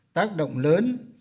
tác động lớn